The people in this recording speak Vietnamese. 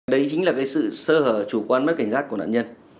đấy chính là sự sơ hở chủ quan mất cảnh giác của nạn nhân